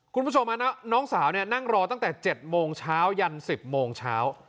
คุณผู้ชมน้องสาวนั่งรอตั้งแต่๗โมงเช้ายัน๑๐โมงเช้า